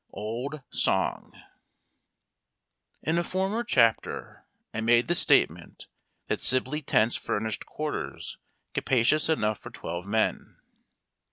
Old Song. N a former chapter I made the statement tliat Sibley tents furnished quarters capa cious enough for twelve men.